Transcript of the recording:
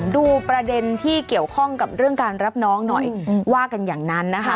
ดูประเด็นที่เกี่ยวข้องกับเรื่องการรับน้องหน่อยว่ากันอย่างนั้นนะคะ